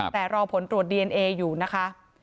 แต่รอผลตรวจดีเอนเออยู่นะคะ